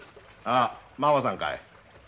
ああママさんかい？